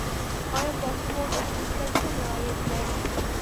آیا پاسپورت اخیستل څومره عاید لري؟